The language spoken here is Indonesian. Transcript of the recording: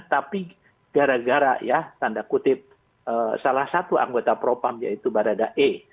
tapi gara gara ya tanda kutip salah satu anggota propam yaitu barada e